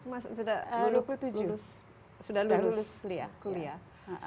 mas sudah lulus kuliah